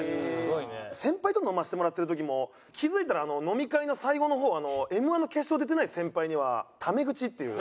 先輩と飲ませてもらってる時も気付いたら飲み会の最後の方Ｍ−１の決勝出てない先輩にはタメ口っていう。